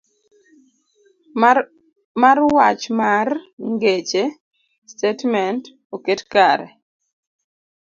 A. mar Wach mar B. Ngeche C. Statement D. oket kare